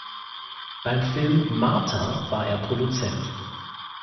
Beim Film "Martha" war er Produzent.